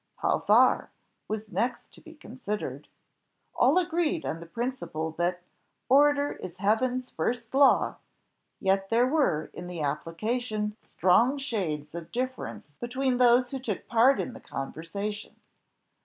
How far? was next to be considered. All agreed on the principle that 'order is Heaven's first law,' yet there were in the application strong shades of difference between those who took part in the conversation.